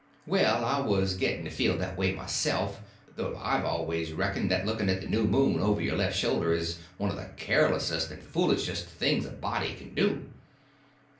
Well, I was getting to feel that way myself, though I've always reckoned that looking at the new moon over your left shoulder is one of the carelessest and foolishest things a body can do.